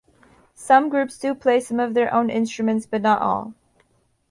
Some groups do play some of their own instruments, but not all.